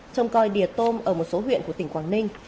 trông coi đìa tôm ở một số huyện của tỉnh quảng ninh